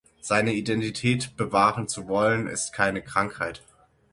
Seine Identität bewahren zu wollen, ist keine Krankheit.